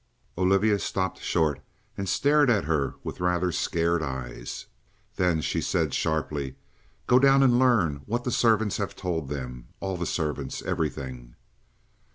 Olivia stopped short and stared at her with rather scared eyes. Then she said sharply: "Go down and learn what the servants have told them all the servants everything."